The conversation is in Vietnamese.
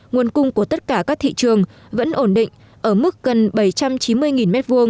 nguồn cung của tất cả các thị trường vẫn ổn định ở mức gần bảy trăm chín mươi m hai